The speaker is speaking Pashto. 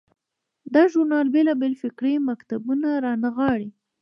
دا ژورنال بیلابیل فکري مکتبونه رانغاړي.